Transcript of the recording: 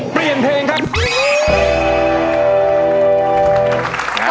เปลี่ยนเพลงครับ